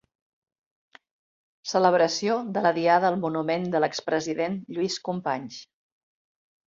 Celebració de la Diada al monument de l'expresident Lluís Companys.